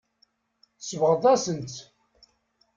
Tsebɣeḍ-asent-tt.